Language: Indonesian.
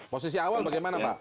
posisi awal bagaimana pak